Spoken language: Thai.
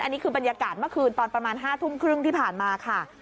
อันนี้คือบรรยากาศเมื่อคืนตอนประมาณ๕ทุ่มครึ่งที่ผ่านมาค่ะ